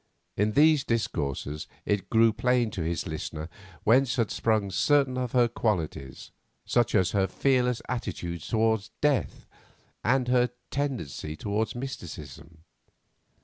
In these discourses it grew plain to his listener whence had sprung certain of her qualities, such as her fearless attitude towards death, and her tendency towards mysticism.